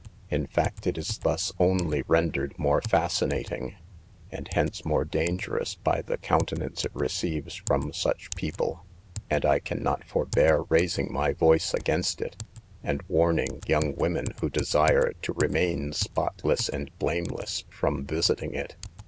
In fact, it is thus only rendered more fascinat ing, and hence more dangerous by the counte , nance it receives from such people ; and I can not forbear raising my voice against it, and warning young women who desire to remain spotless and blameless, from visiting it.